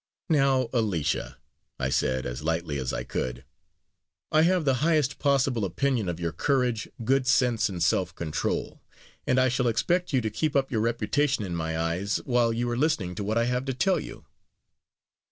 "Now, Alicia," I said, as lightly as I could, "I have the highest possible opinion of your courage, good sense, and self control; and I shall expect you to keep up your reputation in my eyes, while you are listening to what I have to tell you."